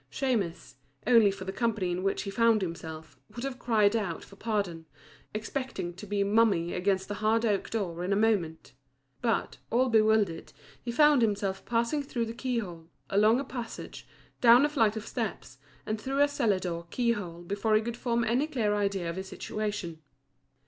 Shemus, only for the company in which he found himself, would have cried out for pardon, expecting to be mummy against the hard oak door in a moment; but, all bewildered, he found himself passing through the key hole, along a passage, down a flight of steps, and through a cellar door key hole before he could form any clear idea of his situation.